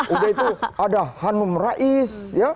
udah itu ada hanum rais